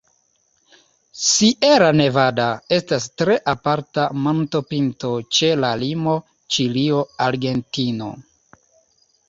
Sierra Nevada estas tre aparta montopinto ĉe la limo Ĉilio-Argentino.